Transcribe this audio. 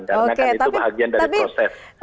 dan mereka itu bahagian dari proses